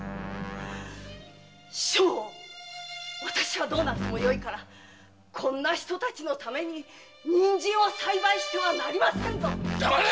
将翁私はどうなってもよいからこんな人たちのために人参を栽培してはなりませんぞやめてくれ。